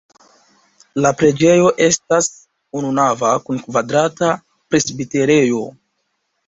La preĝejo estas ununava kun kvadrata presbiterejo.